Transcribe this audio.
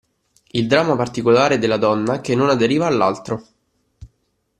Il dramma particolare della donna, che non aderiva all'altro.